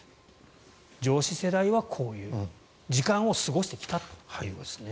上司世代はこういう時間を過ごしてきたということですね。